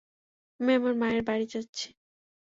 আমি আমার মায়ের বাড়ি যাচ্ছি।